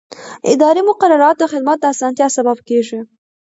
اداري مقررات د خدمت د اسانتیا سبب کېږي.